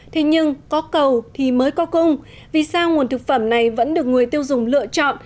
thế nhưng có cầu thì mới có cung vì sao nguồn thực phẩm này vẫn được người tiêu dùng lựa chọn